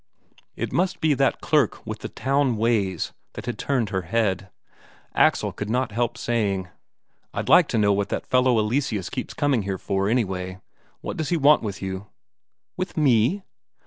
It must be that clerk with the town ways that had turned her head. Axel could not help saying: "I'd like to know what that fellow Eleseus keeps coming here for, anyway. What does he want with you?" "With me?"